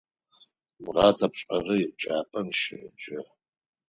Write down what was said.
Мурат апшъэрэ еджапӏэм щеджэ.